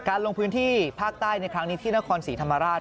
ลงพื้นที่ภาคใต้ในครั้งนี้ที่นครศรีธรรมราช